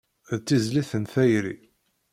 D tizlit n tayri.